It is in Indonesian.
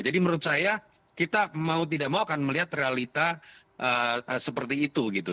jadi menurut saya kita mau tidak mau akan melihat realita seperti itu